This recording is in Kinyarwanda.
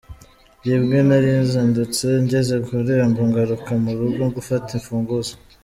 Rimwe narazindutse ngeze ku irembo ngaruka mu rugo gufata imfunguzo.